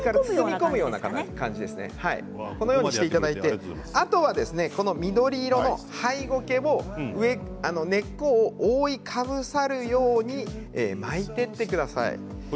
そこまでしていただいて緑色のハイゴケも根っこを覆いかぶさるように巻いていってください。